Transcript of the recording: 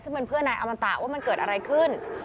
ซึ่งเป็นเพื่อนนายอมันตะว่ามันเกิดอะไรขึ้น